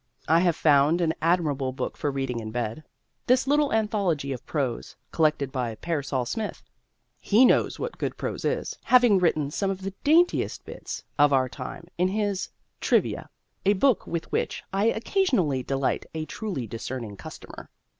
I have found an admirable book for reading in bed this little anthology of prose, collected by Pearsall Smith. He knows what good prose is, having written some of the daintiest bits of our time in his "Trivia," a book with which I occasionally delight a truly discerning customer.